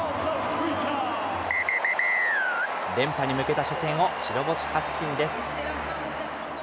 連覇に向けた初戦を白星発進です。